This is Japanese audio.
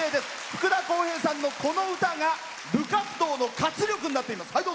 福田こうへいさんのこの歌が部活動の活力になっています。